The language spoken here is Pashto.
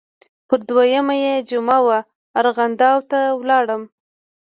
پر دویمه یې جمعه وه ارغنداو ته لاړم.